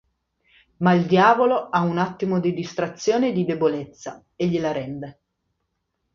Ma il diavolo ha un attimo di distrazione e di debolezza, e gliela rende.